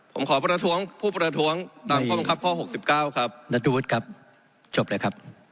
ผมขอประท้วงผู้ประท้วงตามความความความครับข้อหกสิบเก้าครับนัทฤษฐ์ครับจบเลยครับ